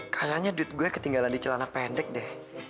kayaknya duit gue ketinggalan di celana pendek deh